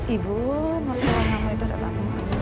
ibu nanti nama nama itu ada tak